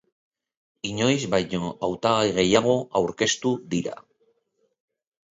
Inoiz baino hautagai gehiago aurkeztu dira.